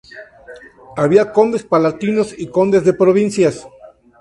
Había "condes palatinos" y "condes de provincias".